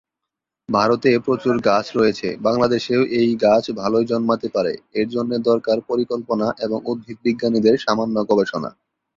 ভারতে প্রচুর গাছ রয়েছে, বাংলাদেশেও এই গাছ ভালোই জন্মাতে পারে, এর জন্যে দরকার পরিকল্পনা এবং উদ্ভিদ বিজ্ঞানীদের সামান্য গবেষণা।